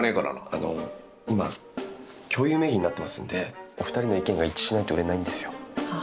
あの今共有名義になってますんでお二人の意見が一致しないと売れないんですよ。